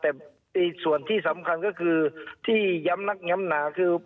แต่ส่วนที่สำคัญก็คือที่ย้ำนักย้ำหนาคือ